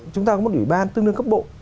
chúng ta có một ủy ban tương đương cấp bộ